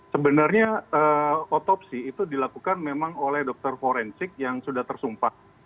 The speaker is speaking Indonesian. sebenarnya otopsi itu dilakukan memang oleh dokter forensik yang sudah tersumpah